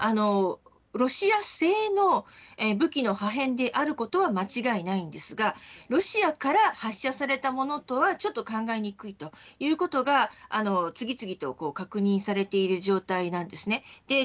ロシア製の武器の破片であることは間違いないんですがロシアから発射されたものとは考えにくいということが次々と確認されている状態です。